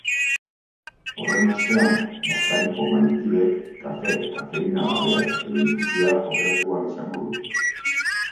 Horren ostean, bazkariko mahaikideek kafe kafeinagabea edo infusioa aukeratu ahal izango dute.